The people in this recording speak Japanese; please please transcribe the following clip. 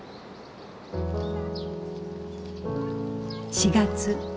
４月。